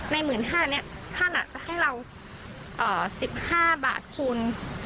ใน๑๕๐๐๐บาทนี้ท่านจะให้เรา๑๕๐๐๐บาทคูณ๖๐๐๐๐๐